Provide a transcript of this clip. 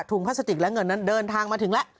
พลาสติกและเงินนั้นเดินทางมาถึงแล้ว